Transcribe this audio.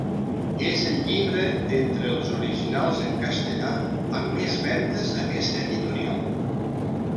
És el llibre d'entre els originals en castellà amb més vendes d'aquesta editorial.